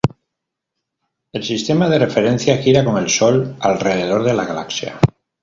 El sistema de referencia gira con el Sol alrededor de la galaxia.